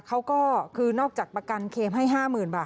เขาก็คือนอกจากประกันเคมให้๕๐๐๐บาท